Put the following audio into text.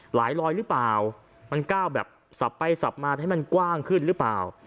ลอยหรือเปล่ามันก้าวแบบสับไปสับมาให้มันกว้างขึ้นหรือเปล่า